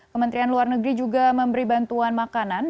kementerian luar negeri juga memberi bantuan makanan